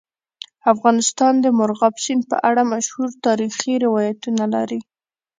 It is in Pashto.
افغانستان د مورغاب سیند په اړه مشهور تاریخي روایتونه لري.